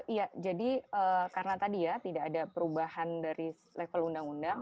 iya jadi karena tadi ya tidak ada perubahan dari level undang undang